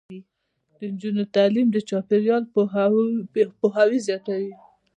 د نجونو تعلیم د چاپیریال پوهاوي زیاتوي.